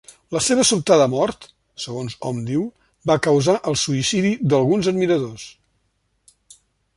La seva sobtada mort, segons hom diu, va causar el suïcidi d'alguns admiradors.